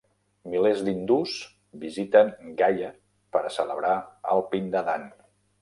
Milers d'hindús visiten Gaya per a celebrar el "pindadan".